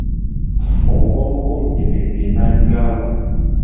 Obugonvu bw'olujegere ge maanyi gaalwo.